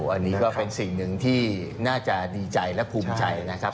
อันนี้ก็เป็นสิ่งหนึ่งที่น่าจะดีใจและภูมิใจนะครับ